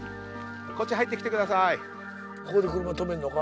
こっち入ってきてください。